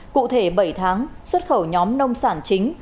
cụ thể bảy tháng xuất khẩu nhóm nông sản chính